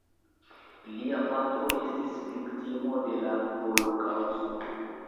Lia patro estis viktimo de la holokaŭsto.